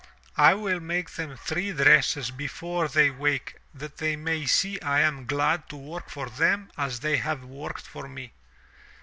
I will make them three dresses before they wake that they may see I am glad to work for them as they have worked for me.''